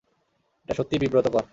এটা সত্যিই বিব্রতকর।